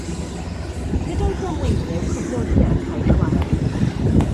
Nid oedd damweiniau i'w cofnodi ar y cae chwarae